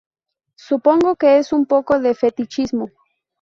Supongo que es un poco de fetichismo".